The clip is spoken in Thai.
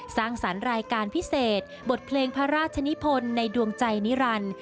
สร้างสรรค์รายการพิเศษบทเพลงพระราชนิพลในดวงใจนิรันดิ์